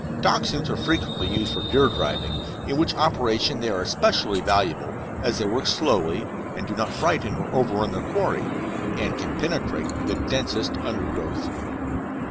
Dachshunds are frequently used for deer driving, in which operation they are especially valuable, as they work slowly, and do not frighten or overrun their quarry, and can penetrate the densest undergrowth.